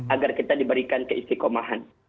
agar kita diberikan keistikomahan